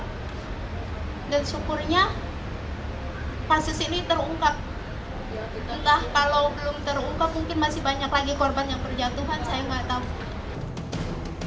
entah kalau belum terungkap mungkin masih banyak lagi korban yang terjatuhan saya nggak tahu